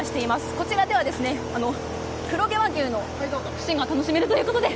こちらでは黒毛和牛の串が楽しめるということで。